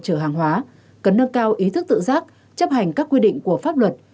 chở hàng hóa cần nâng cao ý thức tự giác chấp hành các quy định của pháp luật